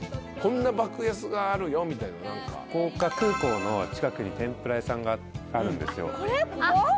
福岡空港の近くに天ぷら屋さんがあるんですよ。